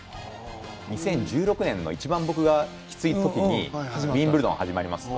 ２０１６年のいちばんきつい時にウィンブルドン始まりますと。